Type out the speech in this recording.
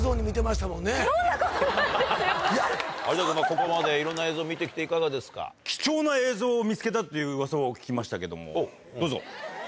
ここまでいろんな映像見て来ていかがですか？を見つけたっていううわさを聞きましたけどもどうぞ。